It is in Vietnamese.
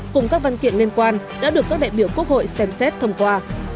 cùng các văn kiện liên quan đã được các đại biểu quốc hội xem xét thông qua